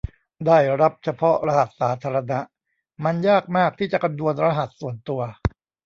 ได้รับเฉพาะรหัสสาธารณะมันยากมากที่จะคำนวณรหัสส่วนตัว